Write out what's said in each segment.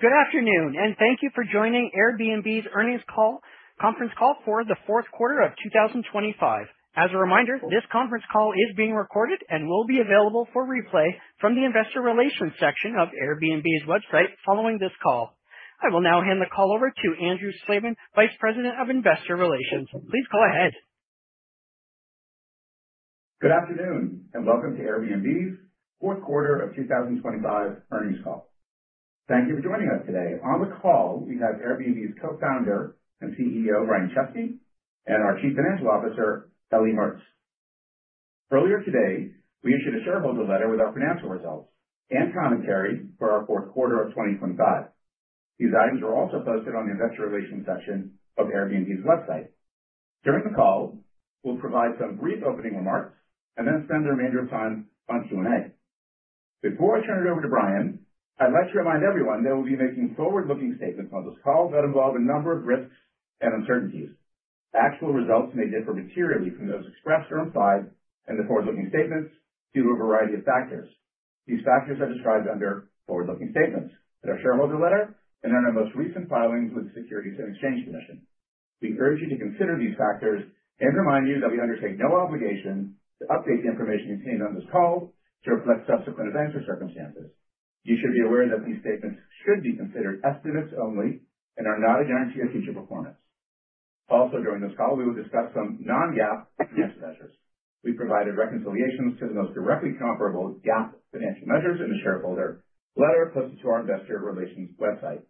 Good afternoon, and thank you for joining Airbnb's Earnings Conference Call for the Fourth Quarter of 2025. As a reminder, this conference call is being recorded and will be available for replay from the investor relations section of Airbnb's website following this call. I will now hand the call over to Andrew Slabin, Vice President of Investor Relations. Please go ahead. Good afternoon, and welcome to Airbnb's Fourth Quarter of 2025 Earnings Call. Thank you for joining us today. On the call, we have Airbnb's Co-founder and CEO, Brian Chesky, and our Chief Financial Officer, Ellie Mertz. Earlier today, we issued a shareholder letter with our financial results and commentary for our fourth quarter of 2025. These items are also posted on the investor relations section of Airbnb's website. During the call, we'll provide some brief opening remarks and then spend the remainder of the time on Q&A. Before I turn it over to Brian, I'd like to remind everyone that we'll be making forward-looking statements on this call that involve a number of risks and uncertainties. Actual results may differ materially from those expressed or implied in the forward-looking statements due to a variety of factors. These factors are described under Forward-looking Statements in our shareholder letter and in our most recent filings with the Securities and Exchange Commission. We urge you to consider these factors and remind you that we undertake no obligation to update the information contained on this call to reflect subsequent events or circumstances. You should be aware that these statements should be considered estimates only and are not a guarantee of future performance. Also, during this call, we will discuss some non-GAAP financial measures. We've provided reconciliations to the most directly comparable GAAP financial measures in the shareholder letter posted to our investor relations website.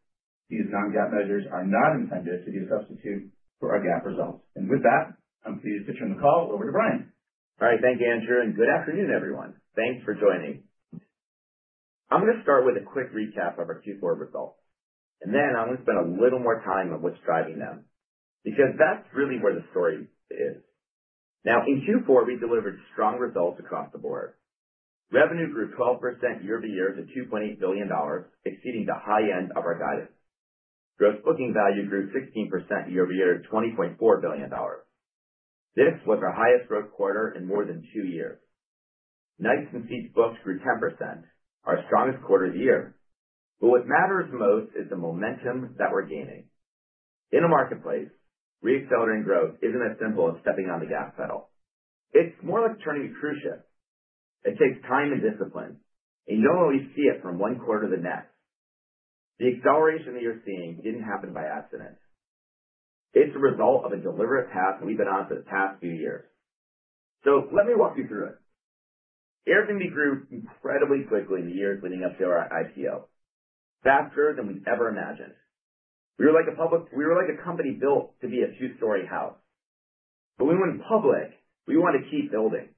These non-GAAP measures are not intended to be a substitute for our GAAP results. With that, I'm pleased to turn the call over to Brian. All right. Thank you, Andrew, and good afternoon, everyone. Thanks for joining. I'm going to start with a quick recap of our Q4 results, and then I want to spend a little more time on what's driving them, because that's really where the story is. Now, in Q4, we delivered strong results across the board. Revenue grew 12% year-over-year to $2.8 billion, exceeding the high end of our guidance. Gross booking value grew 16% year-over-year to $20.4 billion. This was our highest growth quarter in more than two years. Nights and seats booked grew 10%, our strongest quarter year. But what matters most is the momentum that we're gaining. In a marketplace, reaccelerating growth isn't as simple as stepping on the gas pedal. It's more like turning a cruise ship. It takes time and discipline, and you don't always see it from one quarter to the next. The acceleration that you're seeing didn't happen by accident. It's a result of a deliberate path we've been on for the past few years. So let me walk you through it. Airbnb grew incredibly quickly in the years leading up to our IPO, faster than we ever imagined. We were like a company built to be a two-story house. But when we went public, we wanted to keep building.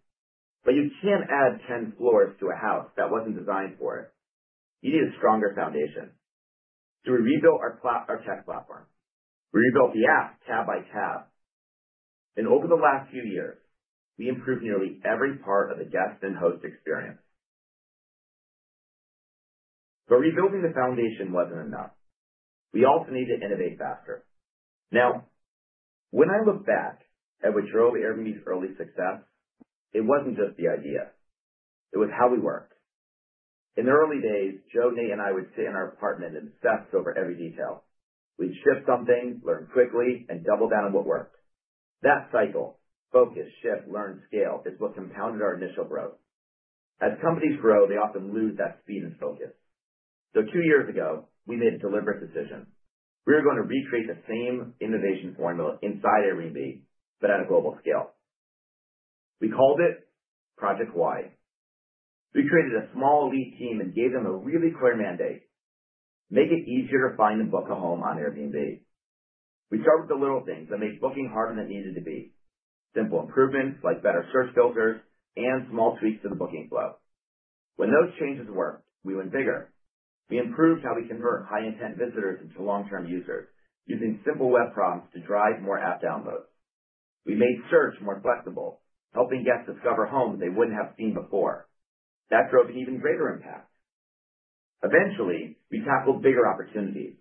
But you can't add ten floors to a house that wasn't designed for it. You need a stronger foundation. So we rebuilt our tech platform. We rebuilt the app tab by tab, and over the last few years, we improved nearly every part of the guest and host experience. But rebuilding the foundation wasn't enough. We also needed to innovate faster. Now, when I look back at what drove Airbnb's early success, it wasn't just the idea, it was how we worked. In the early days, Joe, Nate, and I would sit in our apartment and obsess over every detail. We'd shift something, learn quickly, and double down on what worked. That cycle: focus, shift, learn, scale, is what compounded our initial growth. As companies grow, they often lose that speed and focus. So two years ago, we made a deliberate decision. We were going to recreate the same innovation formula inside Airbnb, but on a global scale. We called it Project Y. We created a small elite team and gave them a really clear mandate: Make it easier to find and book a home on Airbnb. We start with the little things that make booking harder than it needed to be. Simple improvements like better search filters and small tweaks to the booking flow. When those changes worked, we went bigger. We improved how we convert high-intent visitors into long-term users, using simple web prompts to drive more app downloads. We made search more flexible, helping guests discover homes they wouldn't have seen before. That drove an even greater impact. Eventually, we tackled bigger opportunities,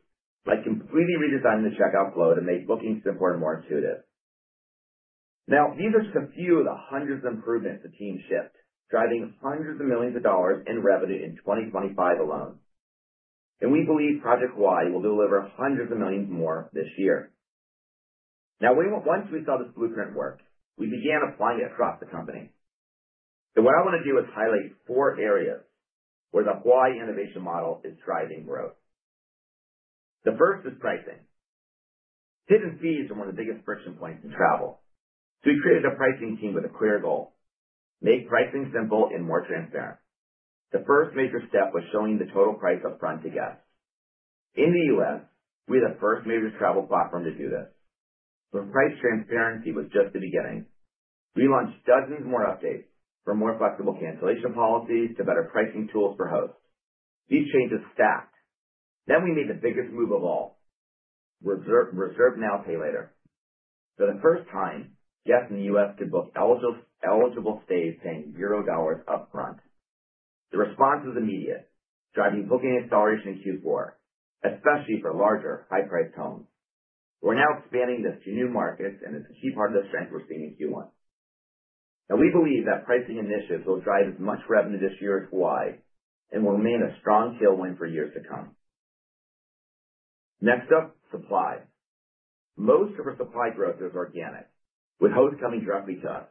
like completely redesigning the checkout flow to make booking simpler and more intuitive. Now, these are just a few of the hundreds of improvements the team shipped, driving hundreds of millions of dollars in revenue in 2025 alone. And we believe Project Y will deliver hundreds of millions more this year. Now, once we saw this blueprint work, we began applying it across the company. So what I want to do is highlight four areas where the Y innovation model is driving growth. The first is pricing. Hidden fees are one of the biggest friction points in travel. So we created a pricing team with a clear goal: Make pricing simple and more transparent. The first major step was showing the total price upfront to guests. In the U.S., we're the first major travel platform to do this. But price transparency was just the beginning. We launched dozens more updates, from more flexible cancellation policies to better pricing tools for hosts. These changes stacked. Then we made the biggest move of all: Reserve Now, Pay Later. For the first time, guests in the U.S. could book eligible stays paying $0 upfront. The response was immediate, driving booking acceleration in Q4, especially for larger, high-priced homes. We're now expanding this to new markets, and it's a key part of the strength we're seeing in Q1. Now, we believe that pricing initiatives will drive as much revenue this year as Hawaii and will remain a strong tailwind for years to come. Next up, supply. Most of our supply growth is organic, with hosts coming directly to us.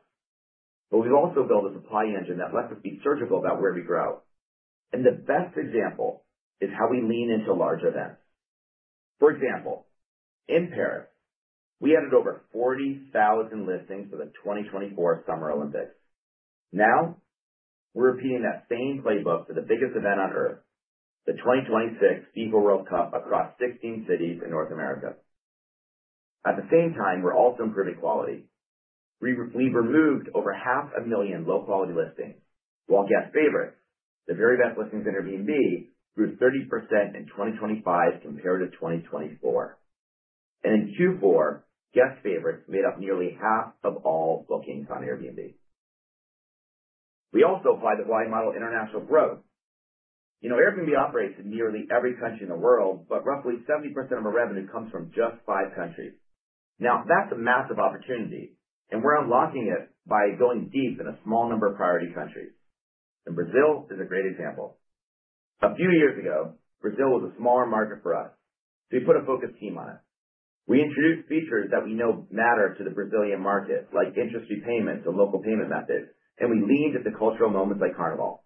But we've also built a supply engine that lets us be surgical about where we grow, and the best example is how we lean into large events. For example, in Paris, we added over 40,000 listings for the 2024 Summer Olympics. Now, we're repeating that same playbook for the biggest event on Earth, the 2026 FIFA World Cup across 16 cities in North America. At the same time, we're also improving quality. We've removed over 500,000 low-quality listings, while Guest Favorites, the very best listings on Airbnb, grew 30% in 2025 compared to 2024. In Q4, Guest Favorites made up nearly half of all bookings on Airbnb. We also applied the Hawaii model international growth. You know, Airbnb operates in nearly every country in the world, but roughly 70% of our revenue comes from just five countries. Now, that's a massive opportunity, and we're unlocking it by going deep in a small number of priority countries. Brazil is a great example. A few years ago, Brazil was a smaller market for us. We put a focused team on it. We introduced features that we know matter to the Brazilian market, like interest-free payments and local payment methods, and we leaned into cultural moments like Carnival.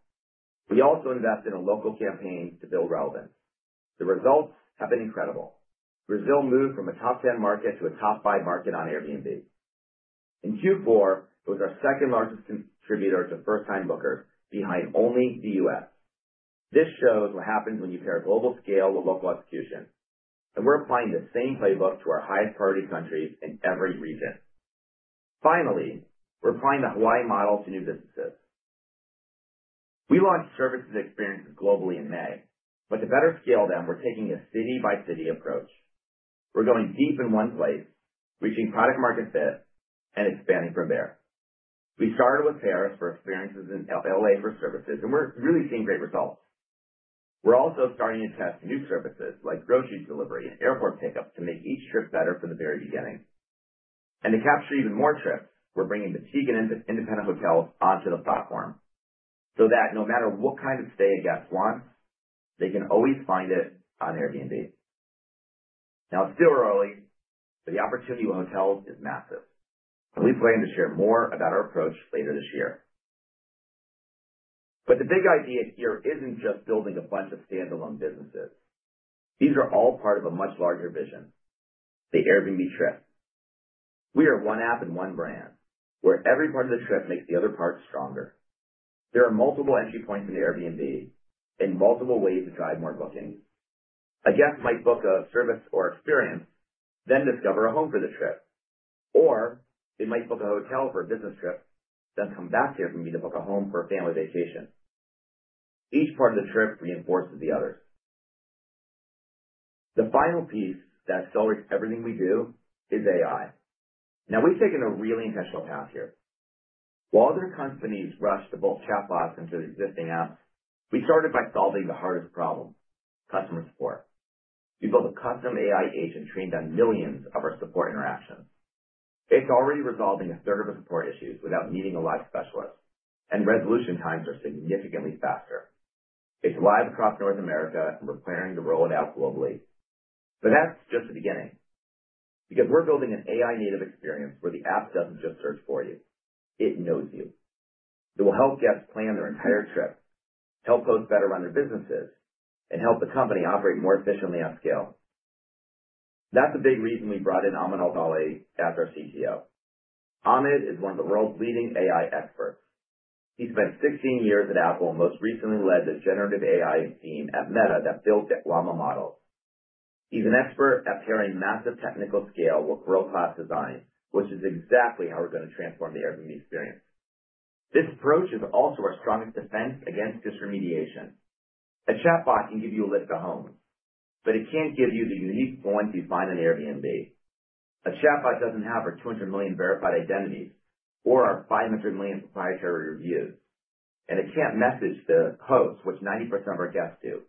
We also invested in local campaigns to build relevance. The results have been incredible. Brazil moved from a top ten market to a top five market on Airbnb. In Q4, it was our second-largest contributor to first-time bookers, behind only the U.S. This shows what happens when you pair global scale with local execution, and we're applying the same playbook to our highest priority countries in every region. Finally, we're applying the Hawaii model to new businesses. We launched services and experiences globally in May, but to better scale them, we're taking a city-by-city approach. We're going deep in one place, reaching product-market fit, and expanding from there. We started with Paris for experiences and L.A. for services, and we're really seeing great results. We're also starting to test new services like grocery delivery and airport pickup to make each trip better from the very beginning. To capture even more trips, we're bringing boutique and independent hotels onto the platform, so that no matter what kind of stay a guest wants, they can always find it on Airbnb. Now, it's still early, but the opportunity with hotels is massive, and we plan to share more about our approach later this year. The big idea here isn't just building a bunch of standalone businesses. These are all part of a much larger vision, the Airbnb trip. We are one app and one brand, where every part of the trip makes the other parts stronger. There are multiple entry points into Airbnb and multiple ways to drive more bookings. A guest might book a service or experience, then discover a home for the trip, or they might book a hotel for a business trip, then come back to Airbnb to book a home for a family vacation. Each part of the trip reinforces the others. The final piece that accelerates everything we do is AI. Now, we've taken a really intentional path here. While other companies rush to build chatbots into their existing apps, we started by solving the hardest problem, customer support. We built a custom AI agent trained on millions of our support interactions. It's already resolving a third of the support issues without needing a live specialist, and resolution times are significantly faster. It's live across North America, and we're planning to roll it out globally. But that's just the beginning, because we're building an AI-native experience where the app doesn't just search for you, it knows you. It will help guests plan their entire trip, help hosts better run their businesses, and help the company operate more efficiently at scale. That's a big reason we brought in Ahmad Al-Dahle as our CTO. Ahmad is one of the world's leading AI experts. He spent 16 years at Apple, and most recently led the generative AI team at Meta that built the Llama models. He's an expert at pairing massive technical scale with world-class design, which is exactly how we're going to transform the Airbnb experience. This approach is also our strongest defense against disintermediation. A chatbot can give you a list of homes, but it can't give you the unique ones you find on Airbnb. A chatbot doesn't have our 200 million verified identities or our 500 million proprietary reviews, and it can't message the hosts, which 90% of our guests do.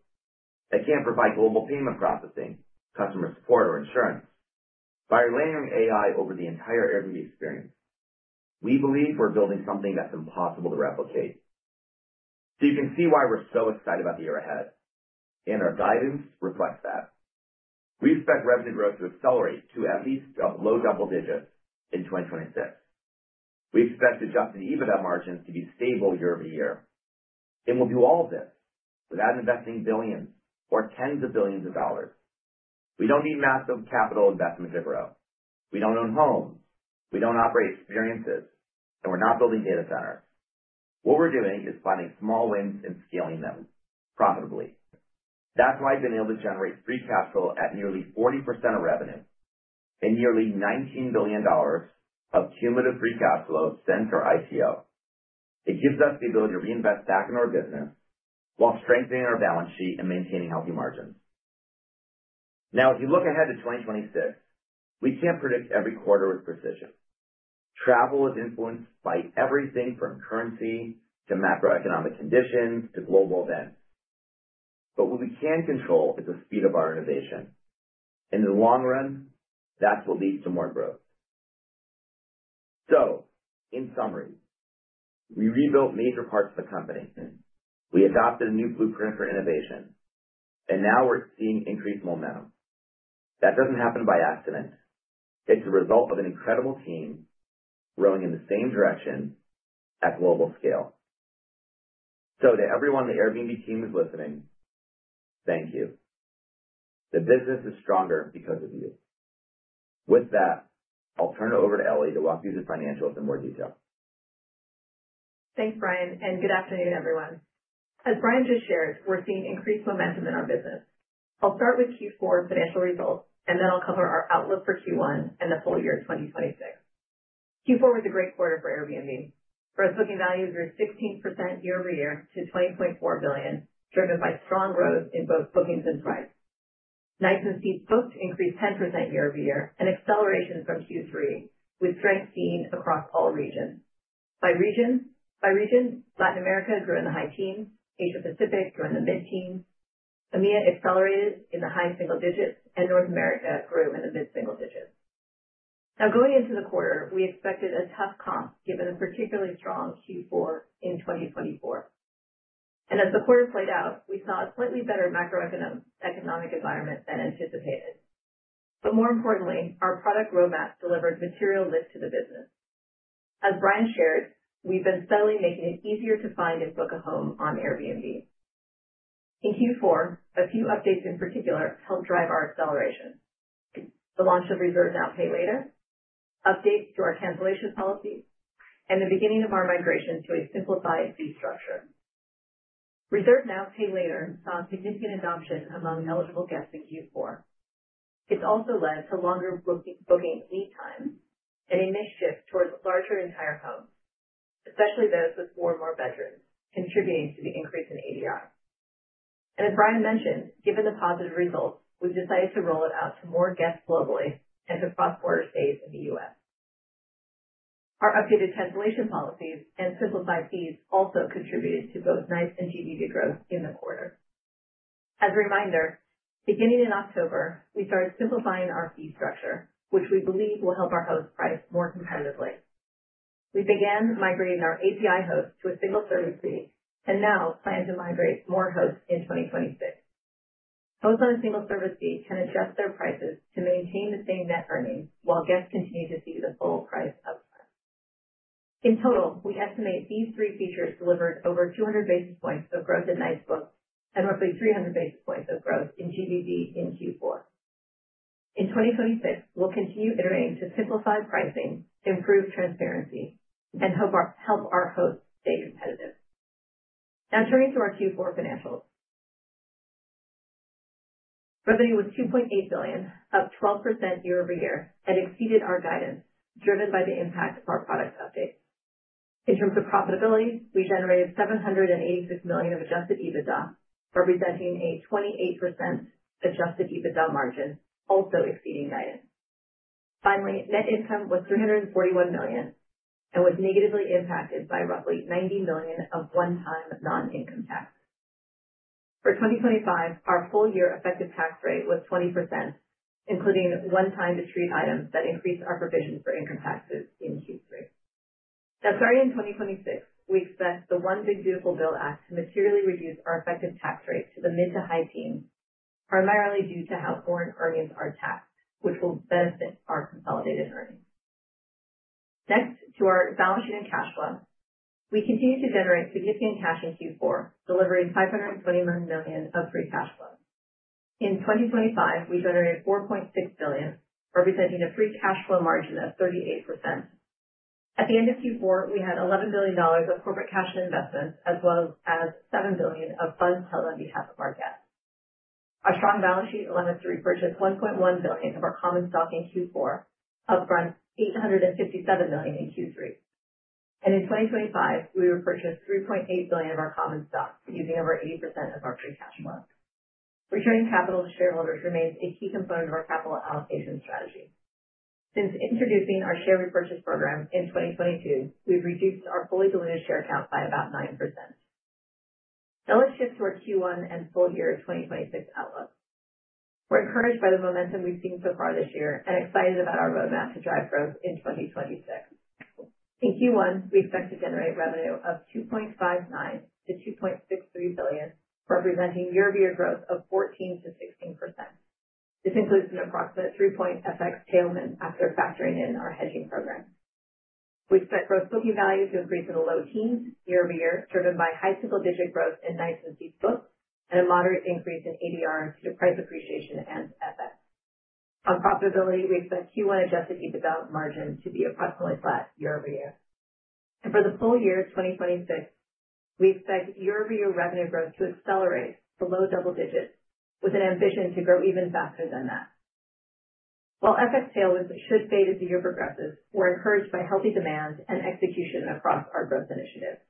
It can't provide global payment processing, customer support, or insurance. By layering AI over the entire Airbnb experience, we believe we're building something that's impossible to replicate. So you can see why we're so excited about the year ahead, and our guidance reflects that. We expect revenue growth to accelerate to at least low double digits in 2026. We expect adjuted EBITDA margins to be stable year-over-year, and we'll do all of this without investing billions or tens of billions of dollars. We don't need massive capital investments to grow. We don't own homes, we don't operate experiences, and we're not building data centers. What we're doing is finding small wins and scaling them profitably. That's why we've been able to generate free cash flow at nearly 40% of revenue and nearly $19 billion of cumulative free cash flow since our IPO. It gives us the ability to reinvest back in our business while strengthening our balance sheet and maintaining healthy margins. Now, as we look ahead to 2026, we can't predict every quarter with precision. Travel is influenced by everything from currency to macroeconomic conditions to global events. But what we can control is the speed of our innovation. In the long run, that's what leads to more growth. So in summary, we rebuilt major parts of the company. We adopted a new blueprint for innovation, and now we're seeing increased momentum. That doesn't happen by accident. It's a result of an incredible team rowing in the same direction at global scale. So to everyone on the Airbnb team who's listening, thank you. The business is stronger because of you. With that, I'll turn it over to Ellie to walk through the financials in more detail. Thanks, Brian, and good afternoon, everyone. As Brian just shared, we're seeing increased momentum in our business. I'll start with Q4 financial results, and then I'll cover our outlook for Q1 and the full year 2026. Q4 was a great quarter for Airbnb. Gross booking values grew 16% year-over-year to $20.4 billion, driven by strong growth in both bookings and price. Nights and seats booked increased 10% year-over-year, an acceleration from Q3, with strength seen across all regions. By region, by region, Latin America grew in the high teens, Asia Pacific grew in the mid-teens, EMEA accelerated in the high single digits, and North America grew in the mid-single digits. Now, going into the quarter, we expected a tough comp, given a particularly strong Q4 in 2024. As the quarter played out, we saw a slightly better macroeconomic environment than anticipated. But more importantly, our product roadmap delivered material lift to the business. As Brian shared, we've been steadily making it easier to find and book a home on Airbnb. In Q4, a few updates in particular helped drive our acceleration. The launch of Reserve Now, Pay Later, updates to our cancellation policy, and the beginning of our migration to a simplified fee structure. Reserve Now, Pay Later saw significant adoption among eligible guests in Q4. It's also led to longer booking lead times and a mix shift towards larger entire homes, especially those with four more bedrooms, contributing to the increase in ADR. And as Brian mentioned, given the positive results, we've decided to roll it out to more guests globally and to cross-border stays in the U.S. Our updated cancellation policies and simplified fees also contributed to both nights and GBV growth in the quarter. As a reminder, beginning in October, we started simplifying our fee structure, which we believe will help our hosts price more competitively. We began migrating our API hosts to a single service fee and now plan to migrate more hosts in 2026. Hosts on a single service fee can adjust their prices to maintain the same net earnings, while guests continue to see the full price upfront. In total, we estimate these three features delivered over 200 basis points of growth in nights booked and roughly 300 basis points of growth in GBV in Q4. In 2026, we'll continue iterating to simplify pricing, improve transparency, and help our hosts stay competitive. Now turning to our Q4 financials. Revenue was $2.8 billion, up 12% year-over-year, and exceeded our guidance, driven by the impact of our product updates. In terms of profitability, we generated $786 million of adjusted EBITDA, representing a 28% adjusted EBITDA margin, also exceeding guidance. Finally, net income was $341 million and was negatively impacted by roughly $90 million of one-time non-income tax. For 2025, our full-year effective tax rate was 20%, including one-time discrete items that increased our provision for income taxes in Q3. Now, starting in 2026, we expect the One Big Beautiful Bill Act to materially reduce our effective tax rate to the mid to high teens, primarily due to how foreign earnings are taxed, which will benefit our consolidated earnings. Next, to our balance sheet and cash flow. We continued to generate significant cash in Q4, delivering $529 million of free cash flow. In 2025, we generated $4.6 billion, representing a free cash flow margin of 38%. At the end of Q4, we had $11 billion of corporate cash and investments, as well as $7 billion of funds held on behalf of our guests. Our strong balance sheet allowed us to repurchase $1.1 billion of our common stock in Q4, upfront $857 million in Q3. In 2025, we repurchased $3.8 billion of our common stock, using over 80% of our free cash flow. Returning capital to shareholders remains a key component of our capital allocation strategy. Since introducing our share repurchase program in 2022, we've reduced our fully diluted share count by about 9%. Now let's shift to our Q1 and full year 2026 outlook. We're encouraged by the momentum we've seen so far this year and excited about our roadmap to drive growth in 2026. In Q1, we expect to generate revenue of $2.59 billion-$2.63 billion, representing year-over-year growth of 14%-16%. This includes an approximate three-point FX tailwind after factoring in our hedging program. We expect gross booking value to increase in the low teens year-over-year, driven by high single-digit growth in nights and fees booked, and a moderate increase in ADR due to price appreciation and FX. On profitability, we expect Q1 adjusted EBITDA margin to be approximately flat year-over-year. For the full year 2026, we expect year-over-year revenue growth to accelerate to low double digits, with an ambition to grow even faster than that. While FX tailwinds should fade as the year progresses, we're encouraged by healthy demand and execution across our growth initiatives.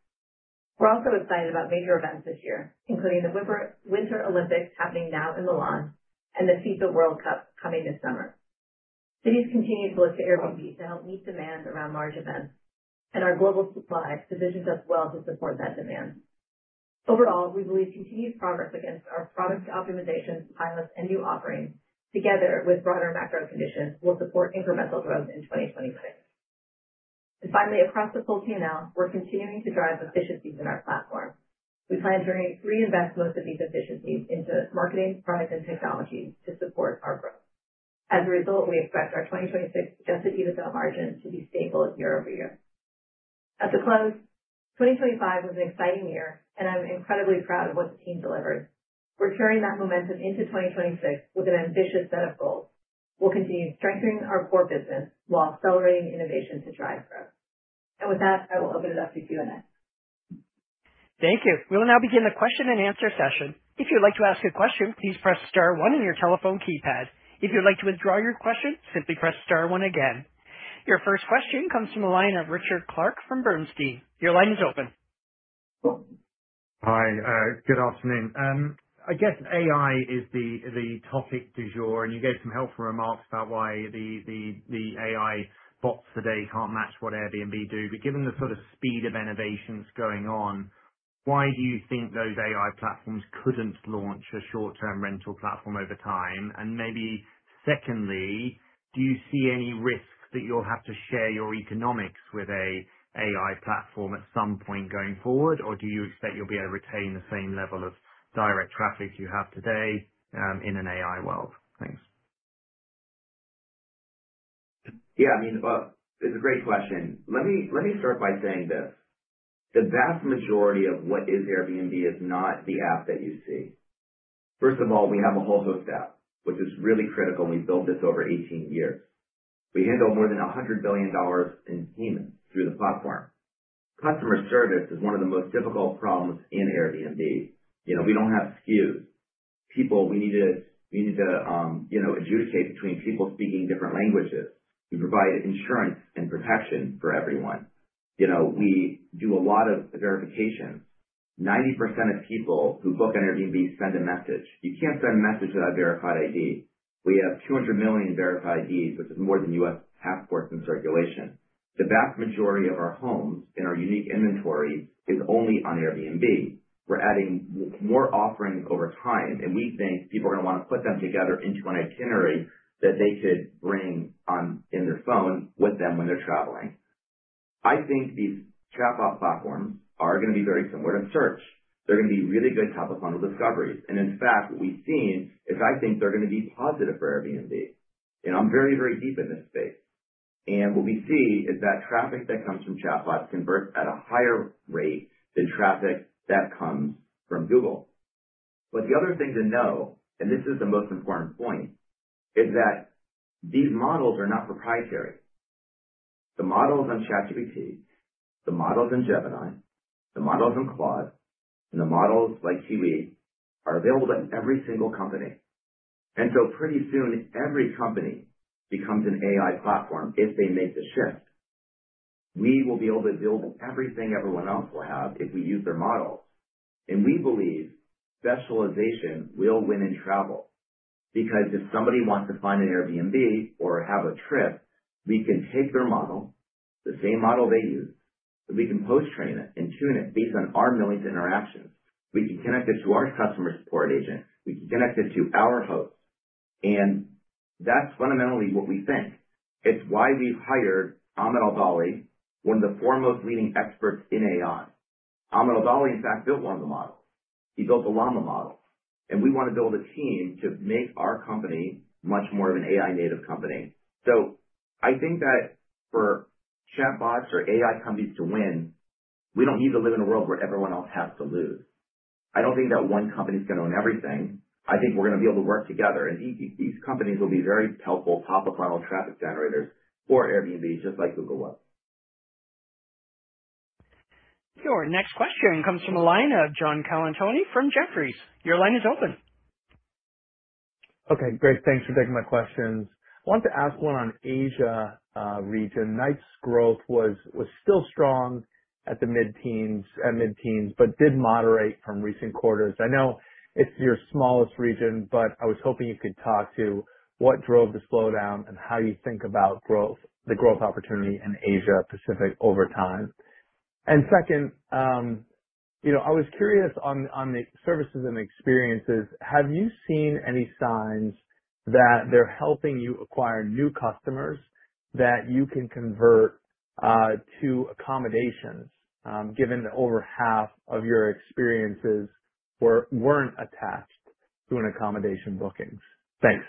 We're also excited about major events this year, including the Winter Olympics happening now in Milan and the FIFA World Cup coming this summer. Cities continue to look to Airbnb to help meet demand around large events, and our global supply positions us well to support that demand. Overall, we believe continued progress against our product optimization, pilots, and new offerings, together with broader macro conditions, will support incremental growth in 2026. And finally, across the full P&L, we're continuing to drive efficiencies in our platform. We plan to reinvest most of these efficiencies into marketing, product, and technology to support our growth. As a result, we expect our 2026 adjusted EBITDA margin to be stable year-over-year. At the close, 2025 was an exciting year, and I'm incredibly proud of what the team delivered. We're carrying that momentum into 2026 with an ambitious set of goals. We'll continue strengthening our core business while accelerating innovation to drive growth. With that, I will open it up to Q&A. Thank you. We'll now begin the question-and-answer session. If you'd like to ask a question, please press star one on your telephone keypad. If you'd like to withdraw your question, simply press star one again. Your first question comes from the line of Richard Clarke from Bernstein. Your line is open. Hi, good afternoon. I guess AI is the topic du jour, and you gave some helpful remarks about why the AI bots today can't match what Airbnb do. But given the sort of speed of innovations going on, why do you think those AI platforms couldn't launch a short-term rental platform over time? And maybe secondly, do you see any risks that you'll have to share your economics with a AI platform at some point going forward, or do you expect you'll be able to retain the same level of direct traffic you have today, in an AI world? Thanks. Yeah, I mean, it's a great question. Let me, let me start by saying this: the vast majority of what is Airbnb is not the app that you see. First of all, we have a whole host app, which is really critical, and we've built this over 18 years. We handle more than $100 billion in payments through the platform. Customer service is one of the most difficult problems in Airbnb. You know, we don't have SKUs. People, we need to, we need to, you know, adjudicate between people speaking different languages. We provide insurance and protection for everyone. You know, we do a lot of verification. 90% of people who book on Airbnb send a message. You can't send a message without a verified ID. We have 200 million verified IDs, which is more than U.S. passports in circulation. The vast majority of our homes and our unique inventory is only on Airbnb. We're adding more offerings over time, and we think people are going to want to put them together into an itinerary that they could bring on, in their phone with them when they're traveling. I think these chatbot platforms are gonna be very similar to search. They're gonna be really good top-of-funnel discoveries. In fact, what we've seen is I think they're gonna be positive for Airbnb, and I'm very, very deep in this space. What we see is that traffic that comes from chatbots converts at a higher rate than traffic that comes from Google. The other thing to know, and this is the most important point, is that these models are not proprietary. The models on ChatGPT, the models in Gemini, the models on Claude, and the models like Kiwi are available to every single company. And so pretty soon, every company becomes an AI platform if they make the shift. We will be able to build everything everyone else will have if we use their models, and we believe specialization will win in travel, because if somebody wants to find an Airbnb or have a trip, we can take their model, the same model they use, we can post-train it and tune it based on our millions of interactions. We can connect it to our customer support agent, we can connect it to our hosts, and that's fundamentally what we think. It's why we've hired Ahmad Al-Dahle, one of the foremost leading experts in AI. Ahmad Al-Dahle, in fact, built one of the models. He built the Llama model, and we want to build a team to make our company much more of an AI-native company. So I think that for chatbots or AI companies to win, we don't need to live in a world where everyone else has to lose. I don't think that one company is going to own everything. I think we're going to be able to work together, and these companies will be very helpful top-of-funnel traffic generators for Airbnb, just like Google was. Your next question comes from the line of John Colantuoni from Jefferies. Your line is open. Okay, great. Thanks for taking my questions. I wanted to ask one on Asia region. Nights growth was, was still strong at the mid-teens, at mid-teens, but did moderate from recent quarters. I know it's your smallest region, but I was hoping you could talk to what drove the slowdown and how you think about growth, the growth opportunity in Asia Pacific over time. And second, you know, I was curious on, on the services and experiences, have you seen any signs that they're helping you acquire new customers that you can convert to accommodations, given that over half of your experiences weren't attached to an accommodation bookings? Thanks.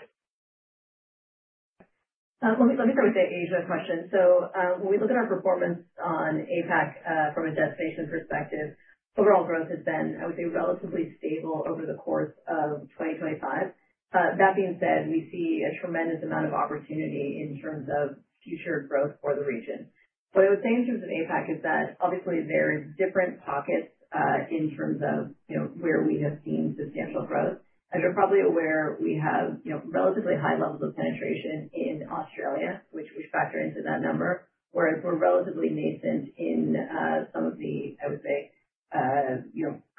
Let me start with the Asia question. So, when we look at our performance on APAC, from a destination perspective, overall growth has been, I would say, relatively stable over the course of 2025. That being said, we see a tremendous amount of opportunity in terms of future growth for the region. What I would say in terms of APAC is that obviously there's different pockets in terms of, you know, where we have seen substantial growth. As you're probably aware, we have, you know, relatively high levels of penetration in Australia, which factors into that number, whereas we're relatively nascent in some of the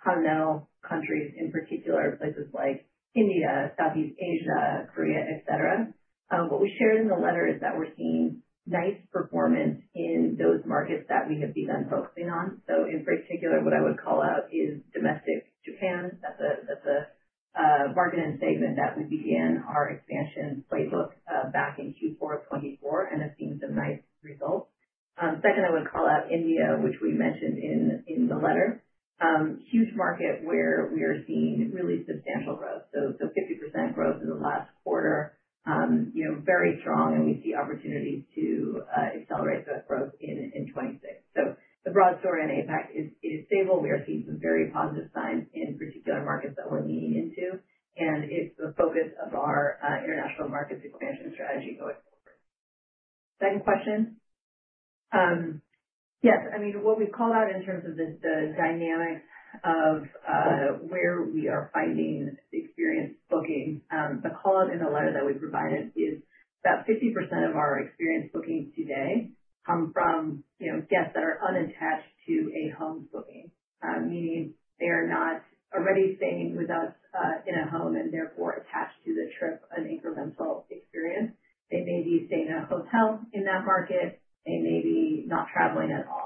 continental countries in particular, places like India, Southeast Asia, Korea, et cetera. What we shared in the letter is that we're seeing nice performance in those markets that we have begun focusing on. So in particular, what I would call out is domestic Japan. That's a market and segment that we began our expansion playbook back in Q4 2024, and it's seen some nice results. Second, I would call out India, which we mentioned in the letter. Huge market where we are seeing really substantial growth. So, 50% growth in the last quarter. You know, very strong, and we see opportunities to accelerate that growth in 2026. So the broad story in APAC is stable. We are seeing some very positive signs in particular markets that we're leaning into, and it's the focus of our international markets expansion strategy going forward. Second question? Yes, I mean, what we called out in terms of the dynamics of where we are finding the experience booking, the call-out in the letter that we provided is that 50% of our experience bookings today come from, you know, guests that are unattached to a home booking. Meaning they are not already staying with us in a home and therefore attached to the trip, an incremental experience. They may be staying in a hotel in that market, they may be not traveling at all.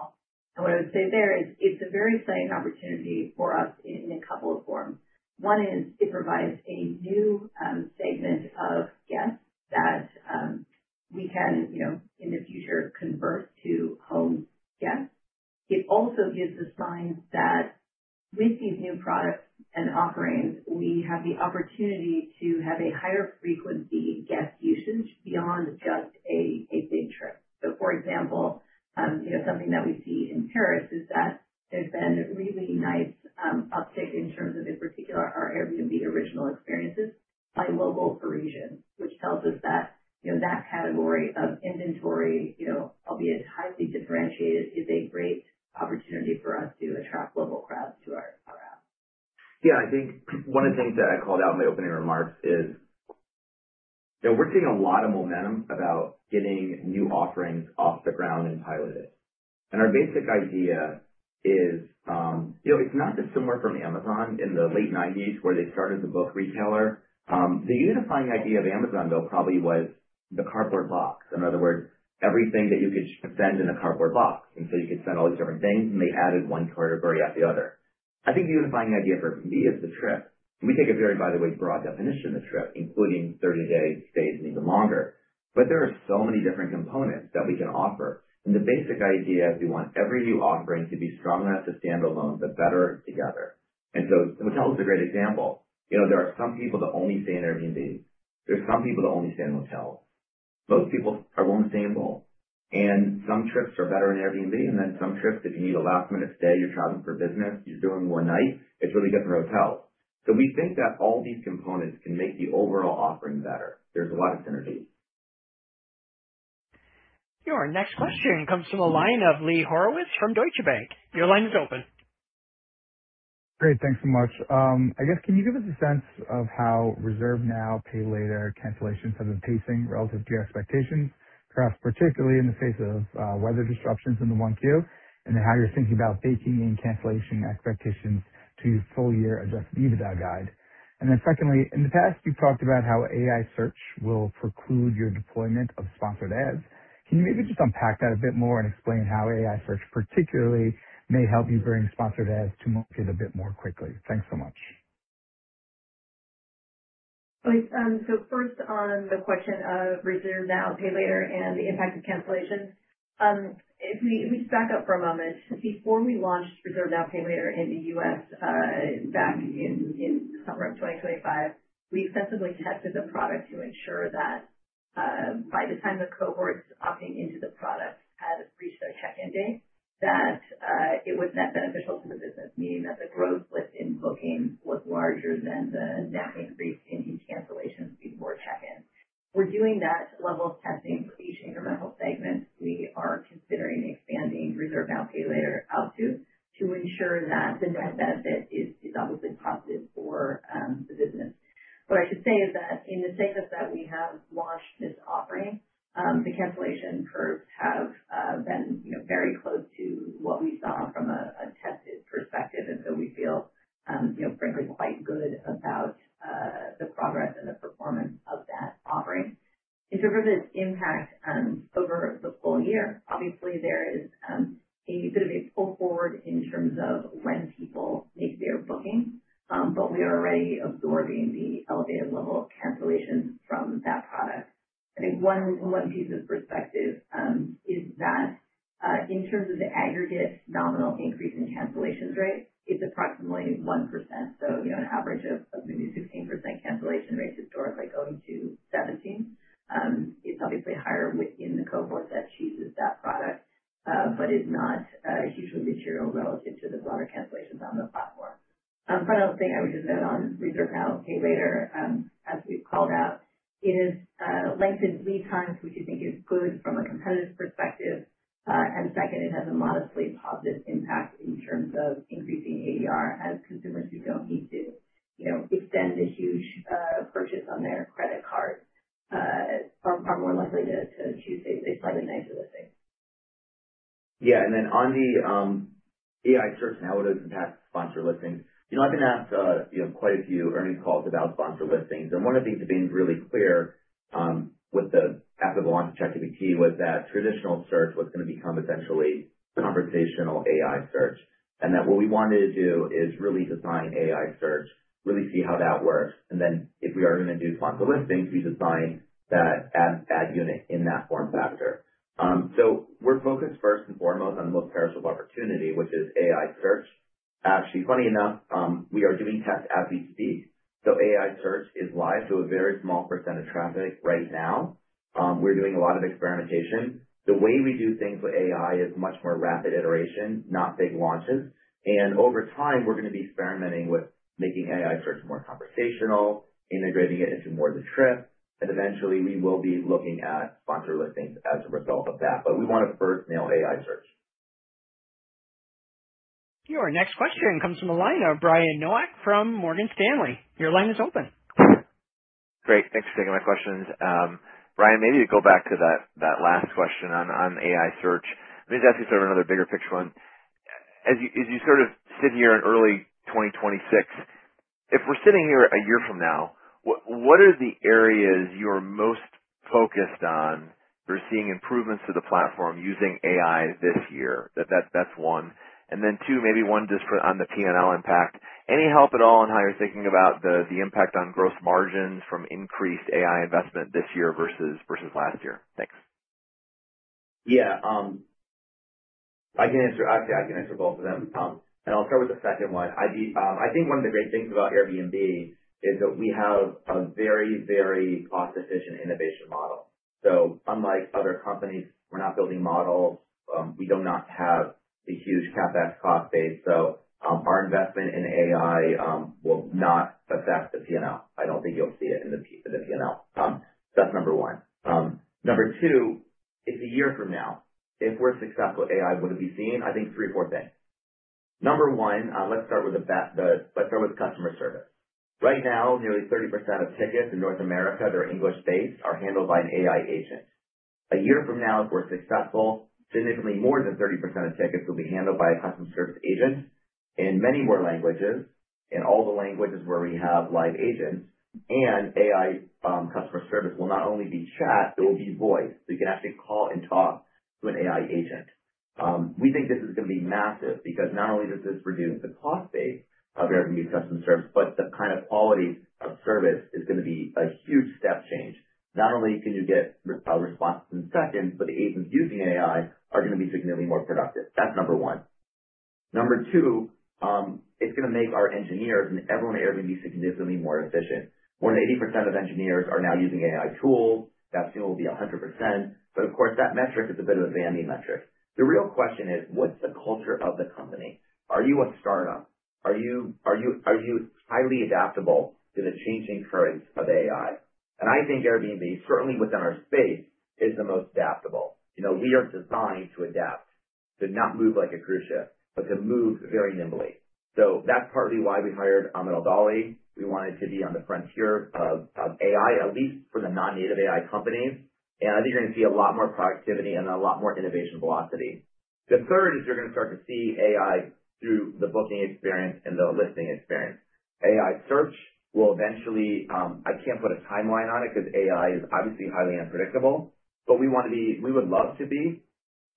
What I would say there is, it's a very exciting opportunity for us in a couple of forms. One is it provides a new segment of guests that we can, you know, in the future convert to home guests. It also gives a sign that with these new products and offerings, we have the opportunity to have a higher frequency guest usage beyond just a big trip. So for example, you know, something that we see in Paris is that there's been a really nice uptick in terms of, in particular, our Airbnb Originals experiences by local Parisians, which tells us that, you know, that category of inventory, you know, albeit highly differentiated, is a great opportunity for us to attract local crowds to our app. Yeah, I think one of the things that I called out in my opening remarks is that we're seeing a lot of momentum about getting new offerings off the ground and piloted. Our basic idea is, you know, it's not dissimilar from Amazon in the late 1990s, where they started the book retailer. The unifying idea of Amazon, though, probably was the cardboard box. In other words, everything that you could send in a cardboard box, and so you could send all these different things, and they added one category after the other. I think the unifying idea for me is the trip. We take a very, by the way, broad definition of the trip, including 30-day stays and even longer. But there are so many different components that we can offer, and the basic idea is we want every new offering to be strong enough to stand alone, but better together. And so the hotel is a great example. You know, there are some people that only stay in Airbnb. There's some people that only stay in hotels. Most people are willing to stay in both, and some trips are better in Airbnb, and then some trips, if you need a last-minute stay, you're traveling for business, you're doing one night, it's really good for hotels. So we think that all these components can make the overall offering better. There's a lot of synergy. Your next question comes from the line of Lee Horowitz from Deutsche Bank. Your line is open. Great, thanks so much. I guess can you give us a sense of how Reserve Now, Pay Later cancellations have been pacing relative to your expectations, perhaps particularly in the face of, weather disruptions in the 1Q, and then how you're thinking about baking in cancellation expectations to full-year adjusted EBITDA guide? And then secondly, in the past, you've talked about how AI search will preclude your deployment of sponsored ads. Can you maybe just unpack that a bit more and explain how AI search particularly may help you bring sponsored ads to market a bit more quickly? Thanks so much. So first on the question of Reserve Now, Pay Later, and the impact of cancellations. If we just back up for a moment. Before we launched Reserve Now, Pay Later in the U.S., back in summer of 2025, we extensively tested the product to ensure that by the time the cohorts opting into the product had reached their check-in date, that it was net beneficial to the business, meaning that the growth lift in bookings was larger than the net increase in cancellations before check-in. We're doing that level of testing for each incremental segment we are considering expanding Reserve Now, Pay Later out to ensure that the net benefit is obviously positive for the business. What I should say is that in the segments that we have launched this offering, the cancellation curves have, been, you know, very close to what we saw from a tested perspective, and so we feel, you know, frankly, quite good about the progress and the performance of that offering. In terms of its impact, over the full year, obviously there is a bit of a pull forward in terms of when people make their booking, but we are already absorbing the elevated level of cancellations from that product. I think one piece of perspective is that in terms of the aggregate nominal increase in cancellations rate, it's approximately 1%. So, you know, an average of maybe 16% cancellation rate historically going to 17% is obviously higher within the cohorts that chooses that product, but is not hugely material relative to the broader cancellations on the platform. Final thing I would just note on Reserve Now, Pay Later, as we've called out, is lengthened lead times, which we think is good from a competitive perspective. And second, it has a modestly positive impact in terms of, we are as consumers who don't need to, you know, extend a huge purchase on their credit card, are far more likely to choose a slightly nicer listing. Yeah. And then on the, AI search and how it is impact sponsored listings, you know, I've been asked, you know, quite a few earnings calls about sponsored listings, and one of the things that's been really clear, with the after the launch of ChatGPT was that traditional search was gonna become essentially conversational AI search. And that what we wanted to do is really design AI search, really see how that works, and then if we are gonna do sponsored listings, we design that ad, ad unit in that form factor. So we're focused first and foremost on the most perishable opportunity, which is AI search. Actually, funny enough, we are doing tests as we speak. So AI search is live to a very small percentage of traffic right now. We're doing a lot of experimentation. The way we do things with AI is much more rapid iteration, not big launches. Over time, we're gonna be experimenting with making AI search more conversational, integrating it into more of the trip, and eventually, we will be looking at sponsored listings as a result of that. But we want to first nail AI search. Your next question comes from the line of Brian Nowak from Morgan Stanley. Your line is open. Great. Thanks for taking my questions. Brian, maybe to go back to that, that last question on, on AI search. Let me just ask you sort of another bigger picture one. As you, as you sort of sit here in early 2026, if we're sitting here a year from now, what, what are the areas you're most focused on for seeing improvements to the platform using AI this year? That's one. And then two, maybe one just on the P&L impact. Any help at all on how you're thinking about the, the impact on gross margins from increased AI investment this year versus, versus last year? Thanks. Yeah, I can answer. Actually, I can answer both of them. I'll start with the second one. I think one of the great things about Airbnb is that we have a very, very cost-efficient innovation model. So unlike other companies, we're not building models. We do not have the huge CapEx cost base. So, our investment in AI will not affect the P&L. I don't think you'll see it in the P&L. That's number one. Number two, if a year from now, if we're successful with AI, what would be seen? I think three or four things. Number one, let's start with customer service. Right now, nearly 30% of tickets in North America that are English-based are handled by an AI agent. A year from now, if we're successful, significantly more than 30% of tickets will be handled by a customer service agent in many more languages, in all the languages where we have live agents, and AI customer service will not only be chat, it will be voice. So you can actually call and talk to an AI agent. We think this is gonna be massive because not only does this reduce the cost base of Airbnb customer service, but the kind of quality of service is gonna be a huge step change. Not only can you get responses in seconds, but the agents using AI are gonna be significantly more productive. That's number one. Number two, it's gonna make our engineers and everyone at Airbnb significantly more efficient. More than 80% of engineers are now using AI tools. That soon will be 100%, but of course, that metric is a bit of a vanity metric. The real question is: what's the culture of the company? Are you a startup? Are you, are you, are you highly adaptable to the changing currents of AI? And I think Airbnb, certainly within our space, is the most adaptable. You know, we are designed to adapt, to not move like a cruise ship, but to move very nimbly. So that's partly why we hired Ahmad Al-Dahle. We wanted to be on the frontier of, of AI, at least for the non-native AI companies, and I think you're gonna see a lot more productivity and a lot more innovation velocity. The third is you're gonna start to see AI through the booking experience and the listing experience. AI search will eventually, I can't put a timeline on it because AI is obviously highly unpredictable, but we want to be—we would love to be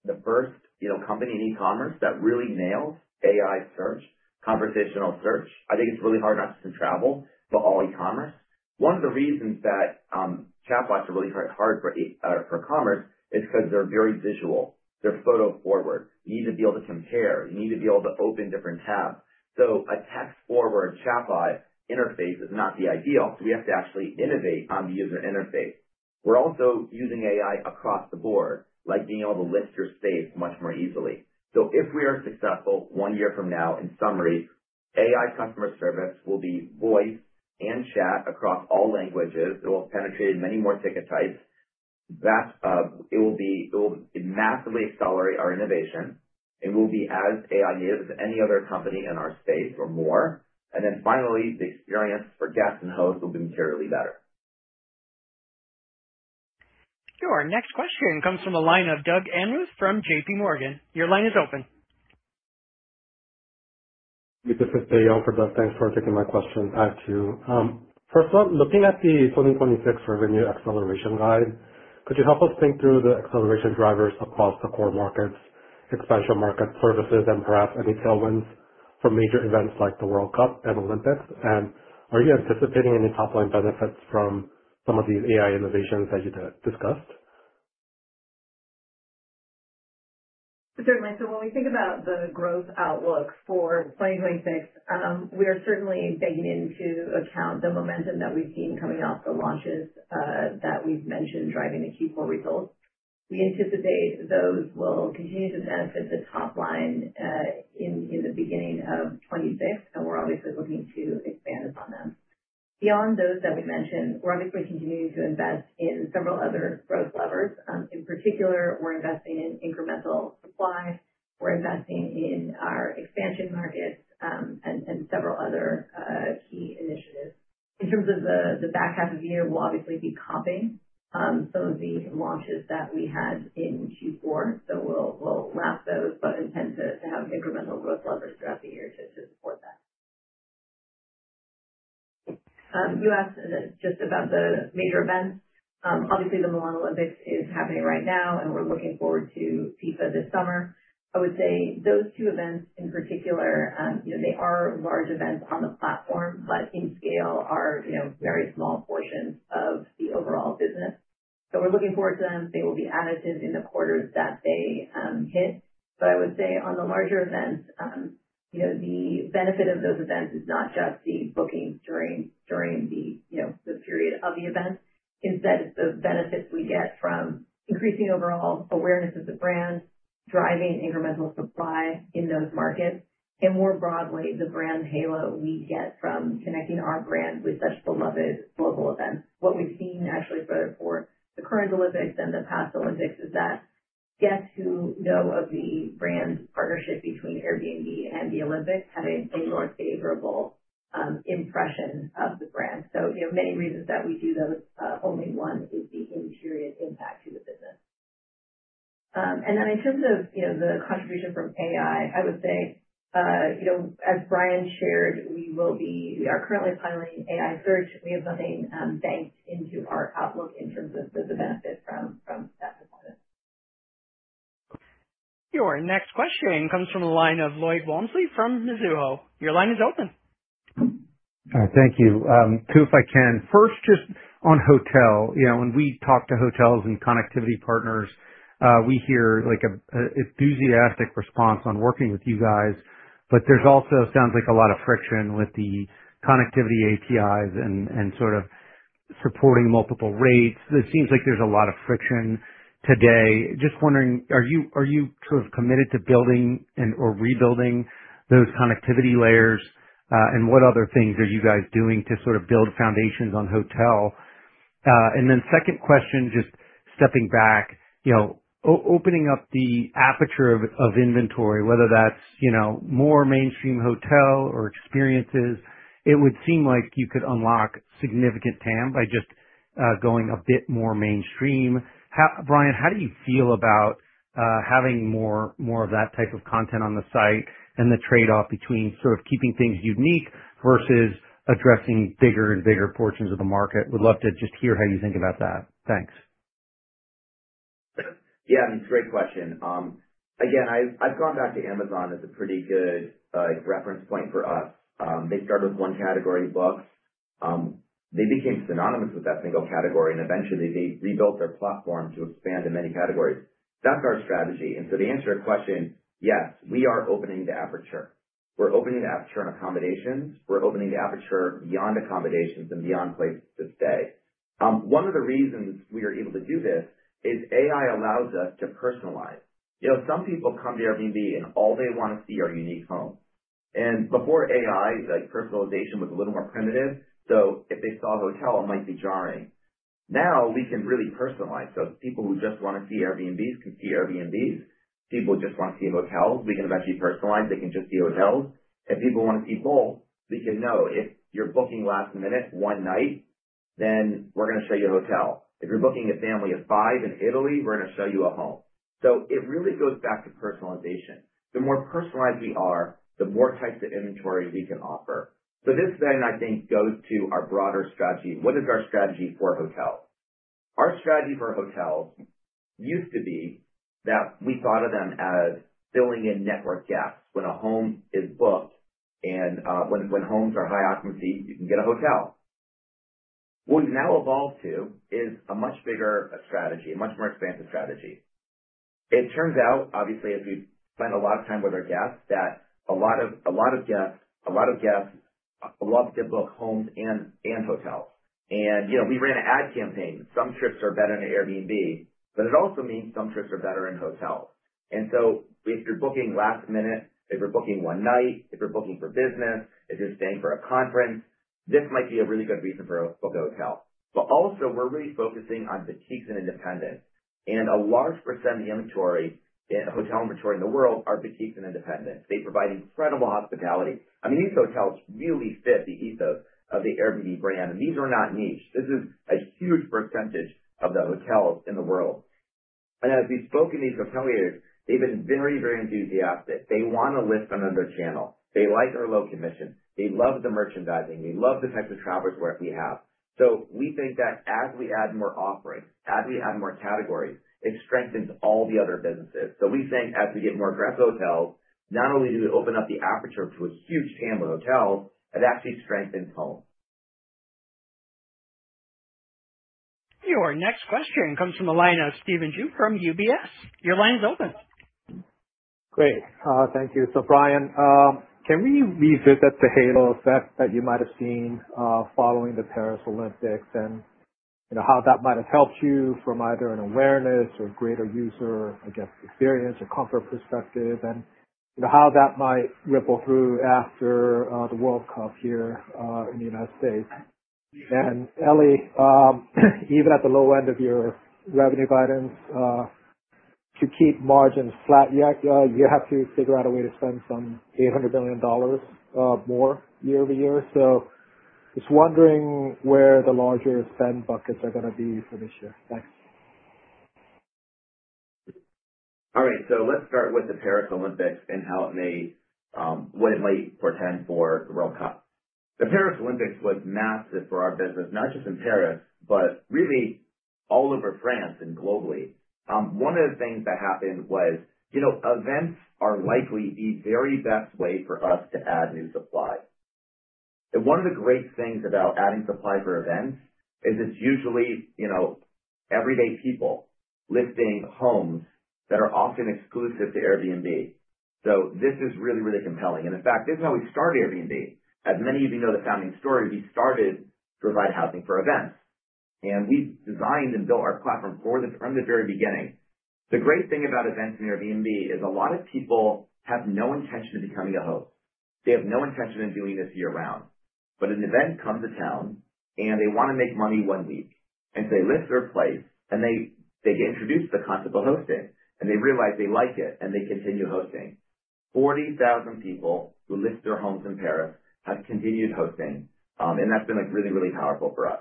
the first, you know, company in e-commerce that really nails AI search, conversational search. I think it's really hard not just in travel, but all e-commerce. One of the reasons that, chatbots are really hard for e-commerce is 'cause they're very visual. They're photo forward. You need to be able to compare, you need to be able to open different tabs. So a text-forward chatbot interface is not the ideal, so we have to actually innovate on the user interface. We're also using AI across the board, like being able to list your space much more easily. So if we are successful one year from now, in summary, AI customer service will be voice and chat across all languages. It will have penetrated many more ticket types. That, it will be, it will massively accelerate our innovation. It will be as AI-native as any other company in our space or more. And then finally, the experience for guests and hosts will be materially better. Your next question comes from the line of Doug Anmuth from JP Morgan. Your line is open. This is Doug Anmuth. Thanks for taking my question. I have two. First one, looking at the 2026 revenue acceleration guide, could you help us think through the acceleration drivers across the core markets, expansion market services, and perhaps any tailwinds from major events like the World Cup and Olympics? And are you anticipating any top-line benefits from some of these AI innovations that you discussed? Certainly. So when we think about the growth outlook for 2026, we are certainly taking into account the momentum that we've seen coming off the launches that we've mentioned driving the Q4 results. We anticipate those will continue to benefit the top line in the beginning of 2026, and we're obviously looking to expand upon them. Beyond those that we've mentioned, we're obviously continuing to invest in several other growth levers. In particular, we're investing in incremental supply, we're investing in our expansion markets, and several other key initiatives. In terms of the back half of the year, we'll obviously be comping some of the launches that we had in Q4, so we'll lap those, but intend to have incremental growth levers throughout the year to support that. You asked just about the major events. Obviously, the Milan Olympics is happening right now, and we're looking forward to FIFA this summer. I would say those two events in particular, you know, they are large events on the platform, but in scale are, you know, very small portions of the overall business. So we're looking forward to them. They will be additive in the quarters that they hit. But I would say on the larger events, you know, the benefit of those events is not just the bookings during the, you know, the period of the event. Instead, it's the benefits we get from increasing overall awareness of the brand, driving incremental supply in those markets, and more broadly, the brand halo we get from connecting our brand with such beloved global events. What we've seen actually for the current Olympics and the past Olympics is that guests who know of the brand's partnership between Airbnb and the Olympics have a more favorable impression of the brand. So, you know, many reasons that we do those, only one is the in-period impact to the business. Then in terms of, you know, the contribution from AI, I would say, you know, as Brian shared, we will be—we are currently piloting AI search. We have nothing banked into our outlook in terms of the benefit from that deployment. Your next question comes from the line of Lloyd Walmsley from Mizuho. Your line is open. Hi, thank you. Two, if I can. First, just on hotel. You know, when we talk to hotels and connectivity partners, we hear, like, a enthusiastic response on working with you guys, but there's also sounds like a lot of friction with the connectivity APIs and sort of supporting multiple rates. It seems like there's a lot of friction today. Just wondering, are you sort of committed to building and/or rebuilding those connectivity layers? And what other things are you guys doing to sort of build foundations on hotel? And then second question, just stepping back, you know, opening up the aperture of inventory, whether that's, you know, more mainstream hotel or experiences, it would seem like you could unlock significant TAM by just going a bit more mainstream. Brian, how do you feel about having more, more of that type of content on the site and the trade-off between sort of keeping things unique versus addressing bigger and bigger portions of the market? Would love to just hear how you think about that. Thanks. Yeah, great question. Again, I've gone back to Amazon as a pretty good reference point for us. They started with one category, books. They became synonymous with that single category, and eventually they rebuilt their platform to expand in many categories. That's our strategy. And so the answer to your question: Yes, we are opening the aperture. We're opening the aperture on accommodations. We're opening the aperture beyond accommodations and beyond places to stay. One of the reasons we are able to do this is AI allows us to personalize. You know, some people come to Airbnb and all they want to see are unique homes. And before AI, the personalization was a little more primitive, so if they saw a hotel, it might be jarring. Now, we can really personalize. So people who just want to see Airbnbs can see Airbnbs. People who just want to see hotels, we can eventually personalize. They can just see hotels. If people want to see both, we can know. If you're booking last minute, one night, then we're going to show you a hotel. If you're booking a family of five in Italy, we're going to show you a home. So it really goes back to personalization. The more personalized we are, the more types of inventories we can offer. So this then, I think, goes to our broader strategy. What is our strategy for hotels? Our strategy for hotels used to be that we thought of them as filling in network gaps when a home is booked and when homes are high occupancy, you can get a hotel. What we've now evolved to is a much bigger strategy, a much more expansive strategy. It turns out, obviously, as we've spent a lot of time with our guests, that a lot of, a lot of guests, a lot of guests love to book homes and, and hotels. You know, we ran an ad campaign. Some trips are better in Airbnb, but it also means some trips are better in hotels. So if you're booking last minute, if you're booking one night, if you're booking for business, if you're staying for a conference, this might be a really good reason to book a hotel. But also, we're really focusing on boutiques and independents, and a large percent of the inventory, hotel inventory in the world are boutiques and independents. They provide incredible hospitality. I mean, these hotels really fit the ethos of the Airbnb brand, and these are not niche. This is a huge percentage of the hotels in the world. And as we've spoken to these hoteliers, they've been very, very enthusiastic. They want to list another channel. They like our low commission. They love the merchandising. They love the types of travelers work we have. So we think that as we add more offerings, as we add more categories, it strengthens all the other businesses. So we think as we get more aggressive hotels, not only do we open up the aperture to a huge TAM with hotels, it actually strengthens home. Your next question comes from the line of Stephen Ju from UBS. Your line is open. Great. Thank you. So, Brian, can we revisit the halo effect that you might have seen following the Paris Olympics? And you know, how that might have helped you from either an awareness or greater user, I guess, experience or comfort perspective, and, you know, how that might ripple through after the World Cup here in the United States. And, Ellie, even at the low end of your revenue guidance, to keep margins flat, you act, you have to figure out a way to spend some $800 million more year-over-year. So just wondering where the larger spend buckets are gonna be for this year. Thanks. All right. So let's start with the Paris Olympics and how it may, what it might portend for the World Cup. The Paris Olympics was massive for our business, not just in Paris, but really all over France and globally. One of the things that happened was, you know, events are likely the very best way for us to add new supply. And one of the great things about adding supply for events is it's usually, you know, everyday people listing homes that are often exclusive to Airbnb. So this is really, really compelling. And in fact, this is how we started Airbnb. As many of you know, the founding story, we started to provide housing for events, and we designed and built our platform for this from the very beginning. The great thing about events in Airbnb is a lot of people have no intention of becoming a host. They have no intention of doing this year-round. But an event comes to town, and they wanna make money one week, and so they list their place, and they get introduced to the concept of hosting, and they realize they like it, and they continue hosting. 40,000 people who listed their homes in Paris have continued hosting, and that's been, like, really, really powerful for us.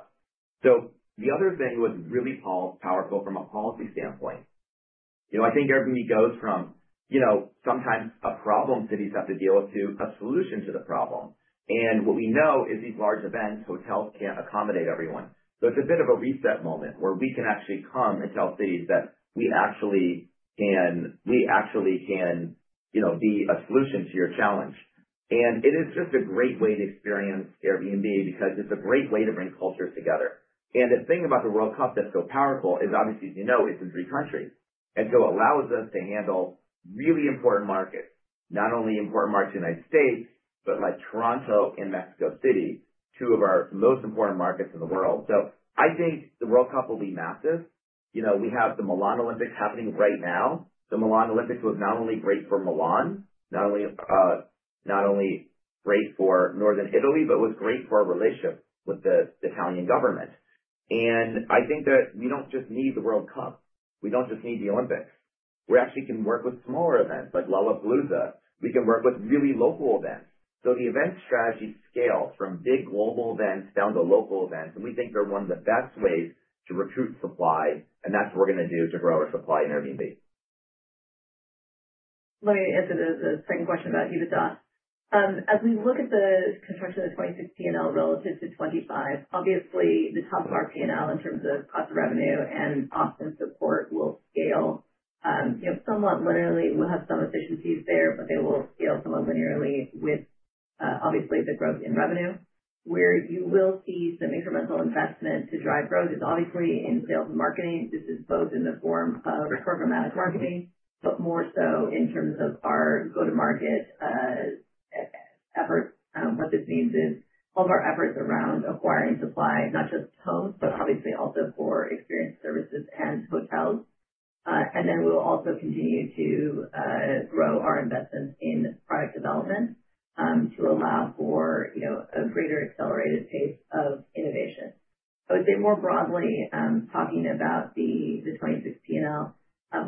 So the other thing was really powerful from a policy standpoint. You know, I think Airbnb goes from, you know, sometimes a problem cities have to deal with to a solution to the problem. And what we know is these large events, hotels can't accommodate everyone. So it's a bit of a reset moment where we can actually come and tell cities that we actually can, we actually can, you know, be a solution to your challenge. And it is just a great way to experience Airbnb because it's a great way to bring cultures together. And the thing about the World Cup that's so powerful is, obviously, as you know, it's in three countries, and so allows us to handle really important markets, not only important markets in the United States, but like Toronto and Mexico City, two of our most important markets in the world. So I think the World Cup will be massive. You know, we have the Milan Olympics happening right now. The Milan Olympics was not only great for Milan, not only, not only great for Northern Italy, but was great for our relationship with the Italian government. I think that we don't just need the World Cup, we don't just need the Olympics. We actually can work with smaller events like Lollapalooza. We can work with really local events. The event strategy scales from big global events down to local events, and we think they're one of the best ways to recruit supply, and that's what we're gonna do to grow our supply in Airbnb. Let me answer the second question about unit costs. As we look at the construction of 2026 P&L relative to 2025, obviously, the top of our P&L in terms of cost of revenue and cost and support will scale, you know, somewhat linearly. We'll have some efficiencies there, but they will scale somewhat linearly with, obviously, the growth in revenue. Where you will see some incremental investment to drive growth is obviously in sales and marketing. This is both in the form of programmatic marketing, but more so in terms of our go-to-market efforts. What this means is all of our efforts around acquiring supply, not just homes, but obviously also for experience services and hotels. And then we'll also continue to grow our investments in product development, to allow for, you know, a greater accelerated pace of innovation. I would say more broadly, talking about the, the 2026 P&L,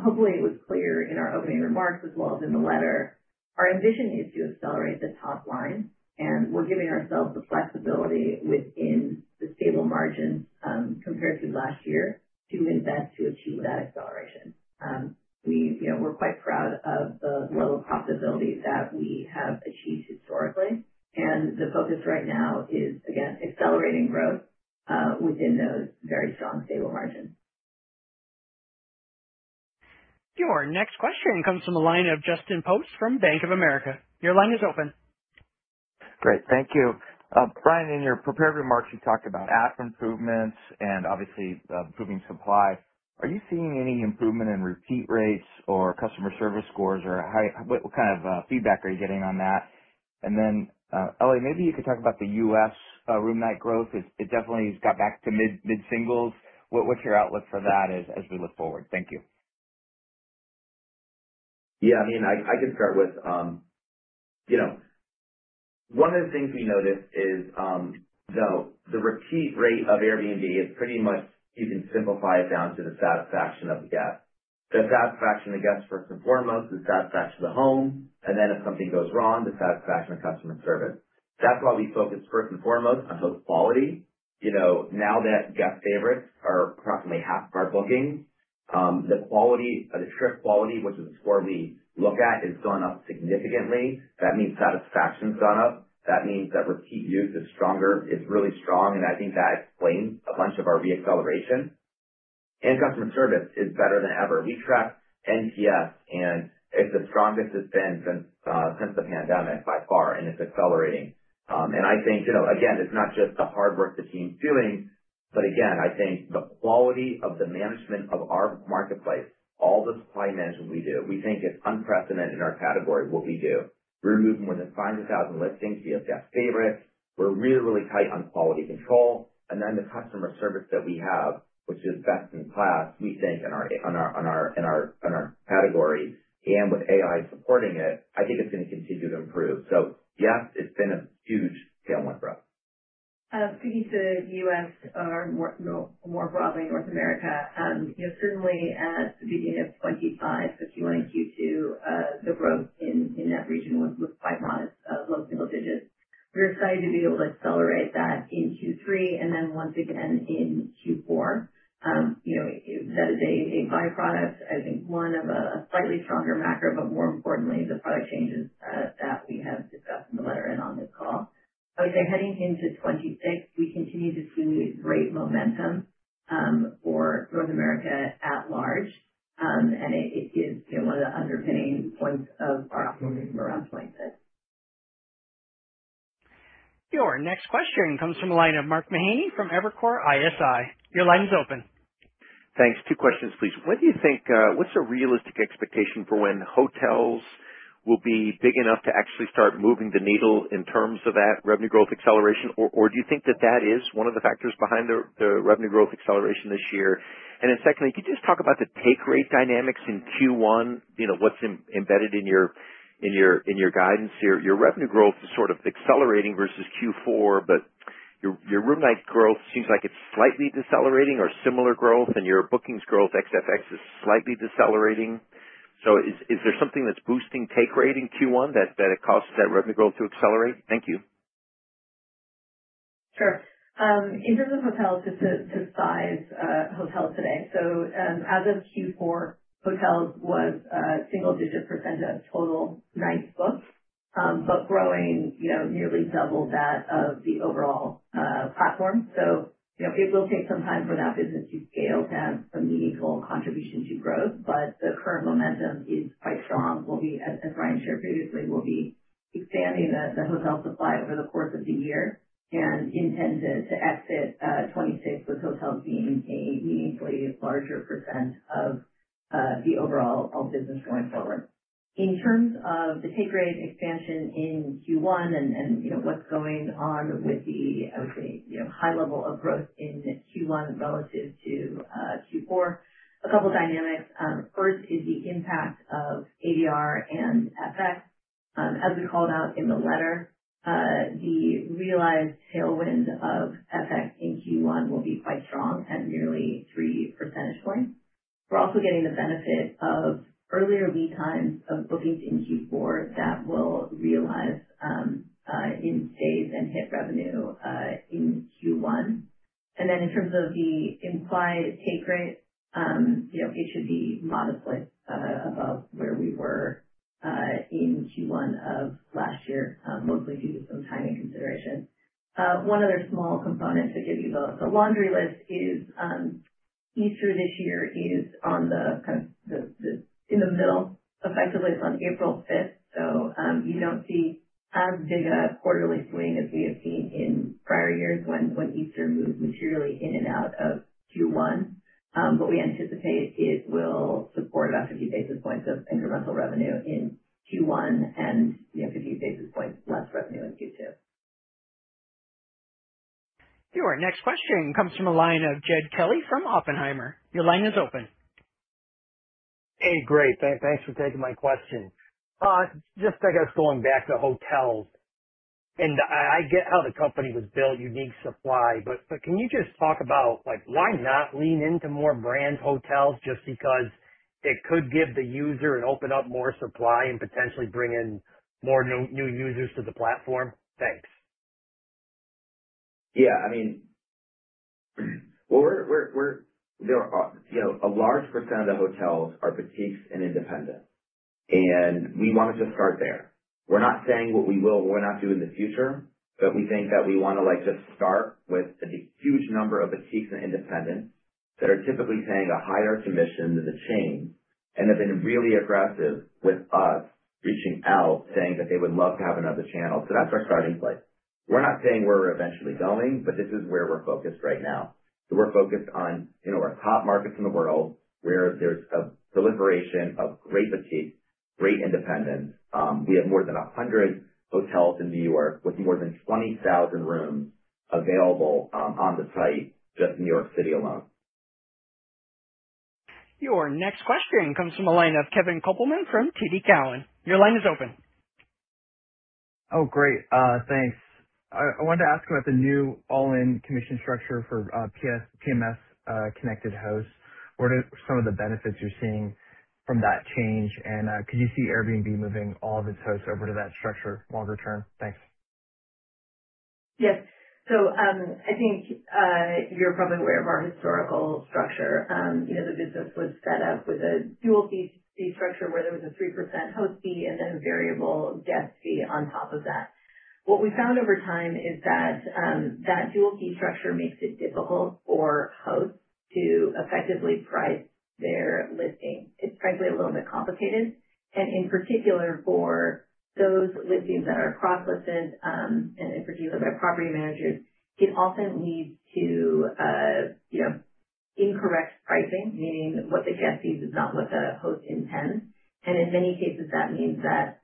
hopefully it was clear in our opening remarks as well as in the letter, our ambition is to accelerate the top line, and we're giving ourselves the flexibility within the stable margins, compared to last year, to invest to achieve that acceleration. We, you know, we're quite proud of the level of profitability that we have achieved historically, and the focus right now is, again, accelerating growth, within those very strong, stable margins. Your next question comes from the line of Justin Post from Bank of America. Your line is open. Great. Thank you. Brian, in your prepared remarks, you talked about app improvements and obviously improving supply. Are you seeing any improvement in repeat rates or customer service scores, or how, what kind of feedback are you getting on that? And then, Ellie, maybe you could talk about the U.S. room night growth. It definitely has got back to mid singles. What's your outlook for that as we look forward? Thank you. Yeah, I mean, I can start with, you know, one of the things we noticed is, so the repeat rate of Airbnb is pretty much you can simplify it down to the satisfaction of the guest. The satisfaction of the guest, first and foremost, is satisfaction of the home, and then if something goes wrong, the satisfaction of customer service. That's why we focus first and foremost on host quality. You know, now that Guest Favorites are approximately half of our bookings, the quality, the trip quality, which is the score we look at, has gone up significantly. That means satisfaction's gone up. That means that repeat use is stronger, it's really strong, and I think that explains a bunch of our re-acceleration. And customer service is better than ever. We track NPS, and it's the strongest it's been since the pandemic by far, and it's accelerating. And I think, you know, again, it's not just the hard work the team's doing. But again, I think the quality of the management of our marketplace, all the supply management we do, we think it's unprecedented in our category, what we do. We're moving more than 500,000 listings via Guest Favorites. We're really, really tight on quality control, and then the customer service that we have, which is best in class, we think, in our category, and with AI supporting it, I think it's going to continue to improve. So yes, it's been a huge tailwind for us. Speaking to U.S. or more broadly, North America, you know, certainly at the beginning of 2025, so Q1 and Q2, the growth in that region was quite modest, low single digits. We're excited to be able to accelerate that in Q3, and then once again in Q4. You know, that is a byproduct, I think one of a slightly stronger macro, but more importantly, the product changes that we have discussed in the letter and on this call. I would say heading into 2026, we continue to see great momentum for North America at large. And it is, you know, one of the underpinning points of our optimism around 2026. Your next question comes from the line of Mark Mahaney from Evercore ISI. Your line is open. Thanks. Two questions, please. When do you think, what's a realistic expectation for when hotels will be big enough to actually start moving the needle in terms of that revenue growth acceleration? Or, or do you think that that is one of the factors behind the, the revenue growth acceleration this year? And then secondly, could you just talk about the take rate dynamics in Q1, you know, what's embedded in your, in your, in your guidance here? Your revenue growth is sort of accelerating versus Q4, but your, your room night growth seems like it's slightly decelerating or similar growth, and your bookings growth ex FX is slightly decelerating. So is, is there something that's boosting take rate in Q1, that, that it causes that revenue growth to accelerate? Thank you. Sure. In terms of hotels, just to size hotels today. So, as of Q4, hotels was a single-digit percent of total nights booked, but growing, you know, nearly double that of the overall platform. So, you know, it will take some time for that business to scale to have a meaningful contribution to growth, but the current momentum is quite strong. We'll be, as Brian shared previously, we'll be expanding the hotel supply over the course of the year and intended to exit 2026, with hotels being a meaningfully larger percent of the overall business going forward. In terms of the take rate expansion in Q1 and, you know, what's going on with the, I would say, you know, high level of growth in Q1 relative to Q4, a couple dynamics. First is the impact of ADR and FX. As we called out in the letter, the realized tailwind of FX in Q1 will be quite strong at nearly three percentage points. We're also getting the benefit of earlier lead times of bookings in Q4 that will realize in stays and hit revenue in Q1. And then in terms of the implied take rate, you know, it should be modestly above where we were in Q1 of last year, mostly due to some timing consideration. One other small component, to give you the laundry list is, Easter this year is in the middle. Effectively, it's on April 5th, so you don't see as big a quarterly swing as we have seen in prior years when Easter moved materially in and out of Q1. But we anticipate it will support about 50 basis points of incremental revenue in Q1 and, you know, 50 basis points less revenue in Q2. Your next question comes from a line of Jed Kelly from Oppenheimer. Your line is open. Hey, great. Thanks for taking my question. Just, I guess, going back to hotels, and I get how the company was built, unique supply. But can you just talk about, like, why not lean into more brand hotels just because it could give the user and open up more supply and potentially bring in more new users to the platform? Thanks. Yeah, I mean, well, there are, you know, a large percent of the hotels are boutiques and independent, and we wanted to start there. We're not saying what we will or will not do in the future, but we think that we wanna, like, just start with the huge number of boutiques and independents that are typically paying a higher commission than the chain and have been really aggressive with us, reaching out, saying that they would love to have another channel. So that's our starting place. We're not saying where we're eventually going, but this is where we're focused right now. So we're focused on, you know, our top markets in the world, where there's a deliberation of great boutiques, great independents. We have more than 100 hotels in New York with more than 20,000 rooms available on the site, just New York City alone. Your next question comes from a line of Kevin Kopelman from TD Cowen. Your line is open. Oh, great. Thanks. I wanted to ask about the new all-in commission structure for PMS-connected hosts. What are some of the benefits you're seeing from that change? And could you see Airbnb moving all of its hosts over to that structure longer term? Thanks. Yes. So, I think you're probably aware of our historical structure. You know, the business was set up with a dual fee, fee structure, where there was a 3% host fee and then a variable guest fee on top of that. What we found over time is that that dual fee structure makes it difficult for hosts to effectively price their listing. It's frankly a little bit complicated, and in particular, for those listings that are cross-listed, and in particular by property managers, it often leads to, you know, incorrect pricing, meaning what the guest sees is not what the host intends. And in many cases, that means that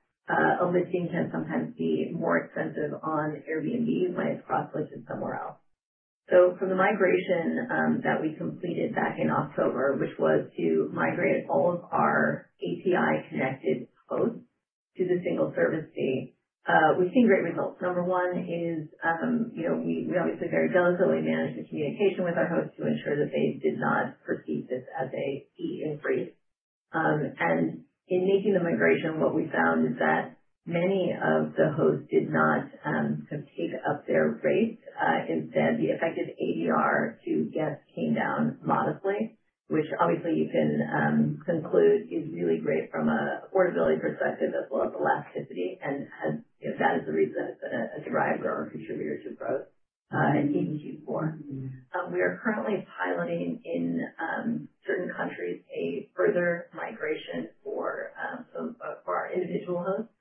a listing can sometimes be more expensive on Airbnb when it's cross-listed somewhere else. So from the migration that we completed back in October, which was to migrate all of our API-connected hosts to the single service fee, we've seen great results. Number one is, you know, we obviously very diligently managed the communication with our hosts to ensure that they did not perceive this as a fee increase. And in making the migration, what we found is that many of the hosts did not take up their rates. Instead, the effective ADR to guests came down modestly, which obviously you can conclude is really great from an affordability perspective as well as elasticity, and that is the reason it's been a driver and contributor to growth in Q2 2024. We are currently piloting in certain countries a further migration for some for our individual hosts,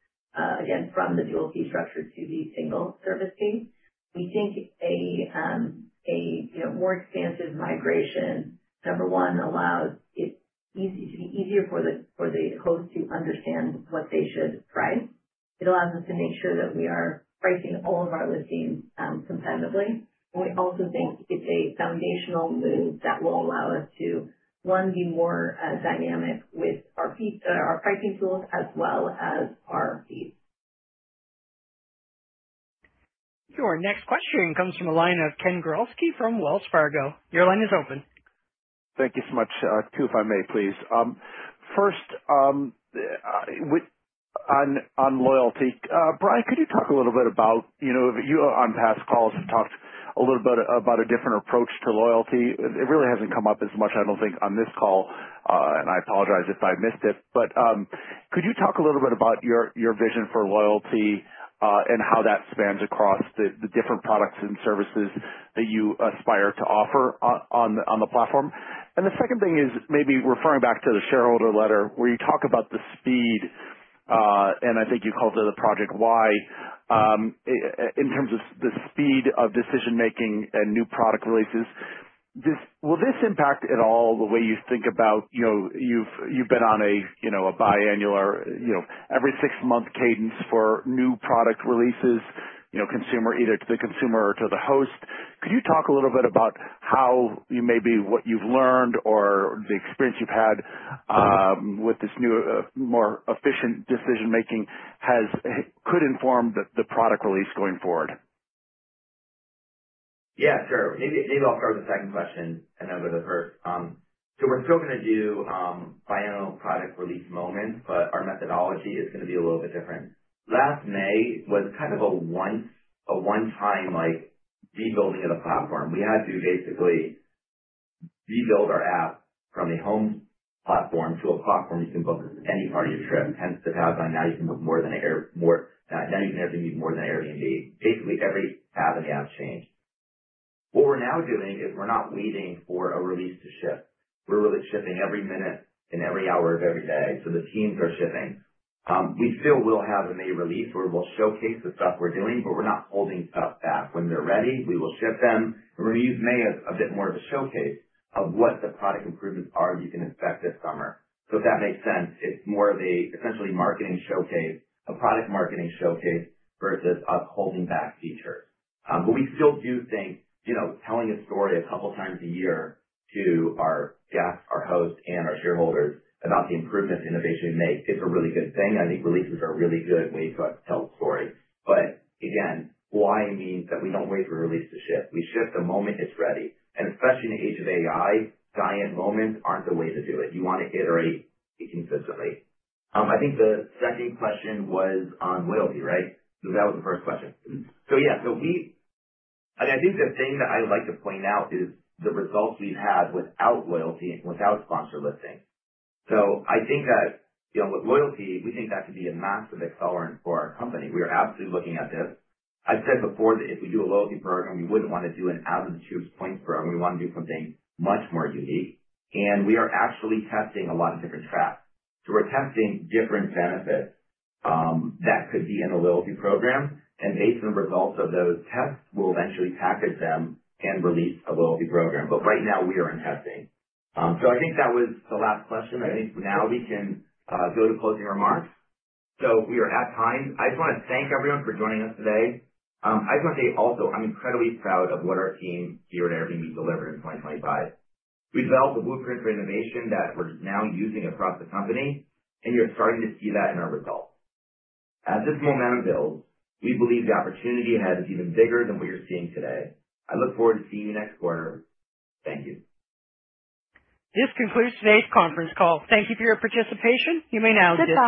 again, from the dual fee structure to the single service fee. We think a you know more expansive migration, number one, allows it to be easier for the for the host to understand what they should price. It allows us to make sure that we are pricing all of our listings competitively. We also think it's a foundational move that will allow us to, one, be more dynamic with our pricing tools as well as our fees. Your next question comes from the line of Ken Gawrelski from Wells Fargo. Your line is open. Thank you so much. Two, if I may, please. First, with on loyalty, Brian, could you talk a little bit about, you know, you on past calls have talked a little bit about a different approach to loyalty. It really hasn't come up as much, I don't think, on this call, and I apologize if I missed it, but, could you talk a little bit about your vision for loyalty, and how that spans across the different products and services that you aspire to offer on the platform? And the second thing is maybe referring back to the shareholder letter, where you talk about the speed, and I think you called it the Project Y. In terms of the speed of decision-making and new product releases. Will this impact at all the way you think about, you know, you've been on a, you know, a biannual or, you know, every six-month cadence for new product releases, you know, consumer, either to the consumer or to the host? Could you talk a little bit about how you maybe what you've learned or the experience you've had with this new, more efficient decision making has could inform the product release going forward? Yeah, sure. Maybe, maybe I'll start with the second question and then go to the first. So we're still gonna do biannual product release moments, but our methodology is gonna be a little bit different. Last May was kind of a once, a one-time, like, rebuilding of the platform. We had to basically rebuild our app from a home platform to a platform you can book any part of your trip, hence the tagline, now you can Airbnb more than Airbnb. Basically, every app in the app changed. What we're now doing is we're not waiting for a release to ship. We're really shipping every minute and every hour of every day. So the teams are shipping. We still will have a May release, where we'll showcase the stuff we're doing, but we're not holding stuff back. When they're ready, we will ship them. We're gonna use May as a bit more of a showcase of what the product improvements are, you can expect this summer. So if that makes sense, it's more of a essentially marketing showcase, a product marketing showcase versus us holding back features. But we still do think, you know, telling a story a couple times a year to our guests, our hosts, and our shareholders about the improvements and innovation we make is a really good thing. I think releases are a really good way to help tell the story. But again, Y means that we don't wait for a release to ship. We ship the moment it's ready, and especially in the age of AI, giant moments aren't the way to do it. You wanna iterate consistently. I think the second question was on loyalty, right? So that was the first question. Yeah, and I think the thing that I would like to point out is the results we've had without loyalty and without sponsor listings. So I think that, you know, with loyalty, we think that could be a massive accelerant for our company. We are absolutely looking at this. I've said before that if we do a loyalty program, we wouldn't want to do an out-of-the-box points program. We want to do something much more unique, and we are actually testing a lot of different tracks. So we're testing different benefits that could be in the loyalty program, and based on the results of those tests, we'll eventually package them and release a loyalty program. But right now we are in testing. So I think that was the last question, and I think now we can go to closing remarks. So we are at time. I just wanna thank everyone for joining us today. I just wanna say also, I'm incredibly proud of what our team here at Airbnb delivered in 2025. We built the blueprint for innovation that we're now using across the company, and you're starting to see that in our results. As this momentum builds, we believe the opportunity ahead is even bigger than what you're seeing today. I look forward to seeing you next quarter. Thank you. This concludes today's conference call. Thank you for your participation. You may now disconnect.